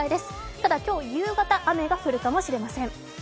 ただ今日夕方に雨が降るかもしれません。